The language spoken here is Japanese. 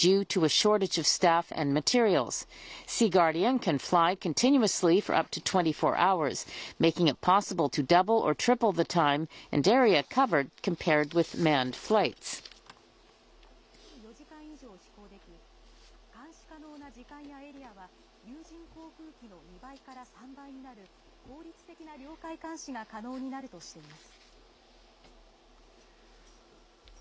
シーガーディアンは、連続で２４時間以上飛行でき、監視可能な時間やエリアは、有人航空機の２倍から３倍になる効率的な領海監視が可能になるとしています。